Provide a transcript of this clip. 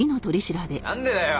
なんでだよ！